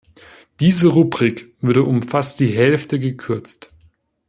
Diese Rubrik wurde um fast die Hälfte gekürzt.